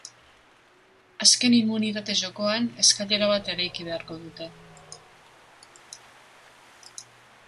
Azken immunitate-jokoan, eskailera bat eraiki beharko dute.